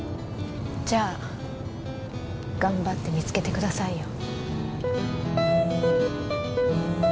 じゃあ頑張って見つけてくださいよ。